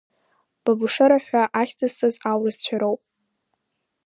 Бабушера ҳәа ахьӡызҵаз аурысцәа роуп.